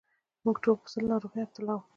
موږ ټول په سِل ناروغۍ مبتلا وو.